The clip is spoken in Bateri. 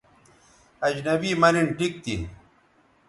اجنبی مہ نِن ٹھیک تھی